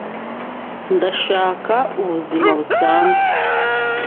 Ndashaka ubuzima busanzwe.